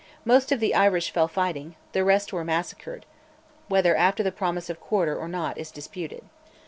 Most of the Irish fell fighting: the rest were massacred, whether after promise of quarter or not is disputed.